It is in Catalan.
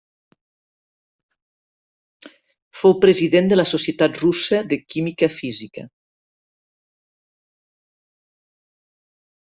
Fou president de la Societat Russa de Química Física.